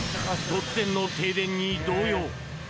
突然の停電に動揺！